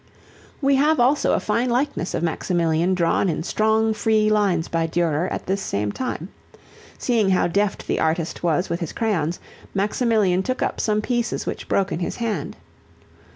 We have also a fine likeness of Maximilian drawn in strong free lines by Durer at this same time. Seeing how deft the artist was with his crayons, Maximilian took up some pieces which broke in his hand.